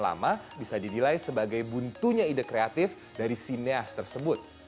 lama bisa dinilai sebagai buntunya ide kreatif dari sineas tersebut